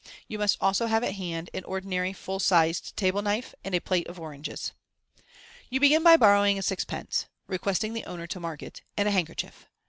You must also have at hand an ordinary fulK sized table knife and a plate of oranges. You begin by borrowing a sixpence (requesting the owner to mark it) and a handkerchief.